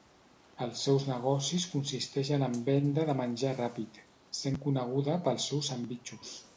Els seus negocis consisteixen en venda de menjar ràpid, sent coneguda pels seus sandvitxos.